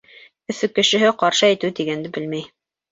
Өфө кешеһе ҡаршы әйтеү тигәнде белмәй.